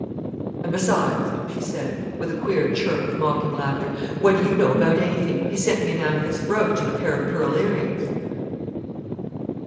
"And besides," she said, with a queer chirrup of mocking laughter, "what do you know about anything? He sent me an amethyst brooch and a pair of pearl ear rings."